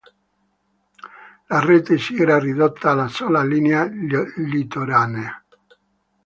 La rete si era ridotta alla sola linea litoranea.